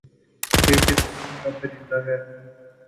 یہ کس قِسم کا پرندہ ہے؟